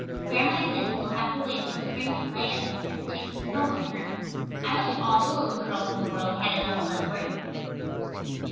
Grandmother says we will have to wait until spring to play it, as it takes so much room. I wish all the little girls in the world had an Uncle Edward.